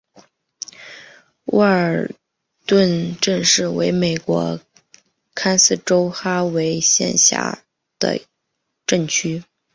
沃尔顿镇区为美国堪萨斯州哈维县辖下的镇区。